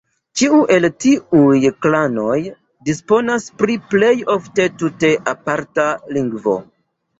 Ĉiu el tiuj klanoj disponas pri plej ofte tute aparta lingvo.